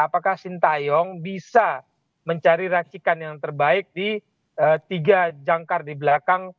apakah sintayong bisa mencari racikan yang terbaik di tiga jangkar di belakang